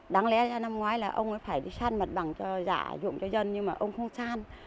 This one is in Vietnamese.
đáng lẽ năm ngoái là ông ấy phải xan mật bằng dạ dụng cho dân nhưng mà ông không xan